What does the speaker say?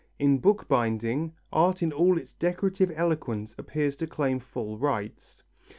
In bookbinding, art in all its decorative eloquence appears to claim full rights.